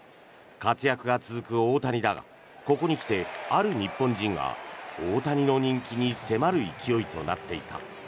活躍が続く大谷だがここに来て、ある日本人が大谷の人気に迫る勢いとなっていた。